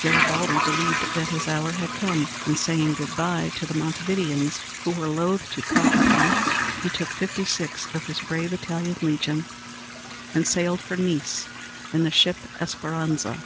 Garibaldi believed that his hour had come, and saying good bye to the Montevideans, who were loathe to part with him, he took fifty six of his brave Italian Legion, and sailed for Nice, in the ship Esperanza.